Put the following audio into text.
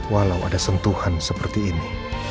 walau ada sentuhan seperti ini